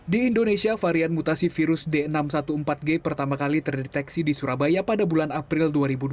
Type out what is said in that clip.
di indonesia varian mutasi virus d enam ratus empat belas g pertama kali terdeteksi di surabaya pada bulan april dua ribu dua puluh